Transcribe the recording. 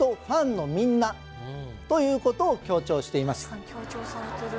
「ファンのみんな」ということを強調しています